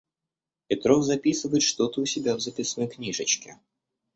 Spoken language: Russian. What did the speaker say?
Петров записывает что-то у себя в записной книжечке.